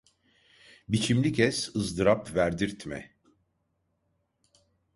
Biçimli kes, ızdırap verdirtme…